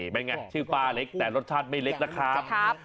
เป็นไงชื่อป้าเล็กแต่รสชาติไม่เล็กนะครับ